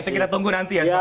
nah itu kita tunggu nanti ya